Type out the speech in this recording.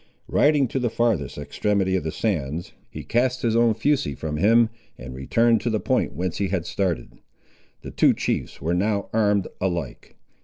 Riding to the farthest extremity of the sands, he cast his own fusee from him, and returned to the point whence he had started. The two chiefs were now armed alike.